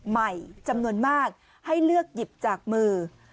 ใหม่จำนวนมากให้เลือกหยิบจากมือ